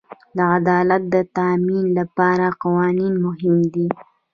د عدالت د تامین لپاره قوانین مهم دي.